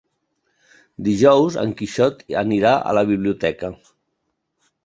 Dijous en Quixot anirà a la biblioteca.